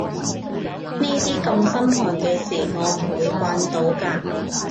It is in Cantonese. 呢啲咁心寒嘅事我唔會慣到㗎